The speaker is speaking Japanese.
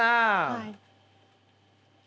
はい。